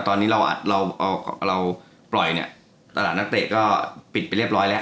ตอนนี้เราเราปล่อยเนี่ยตลาดนักเตะก็ปิดไปเรียบร้อยแล้ว